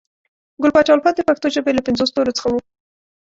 ګل پاچا الفت د پښنو ژبې له پنځو ستورو څخه وو